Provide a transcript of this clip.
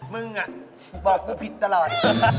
มึงน่ะบอกว่าผิดตลอด